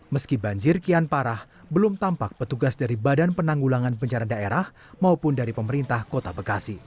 meski banjir kian parah belum tampak petugas dari badan penanggulangan penjara daerah maupun dari pemerintah kota bekasi